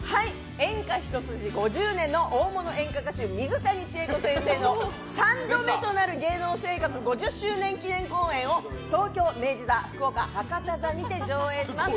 演歌ひと筋５０年の大物演歌歌手・水谷千重子先生の３度目となる芸能生活５０周年記念公演を東京・明治座福岡・博多座にて上演します。